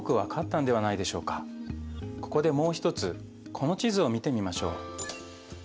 ここでもう一つこの地図を見てみましょう。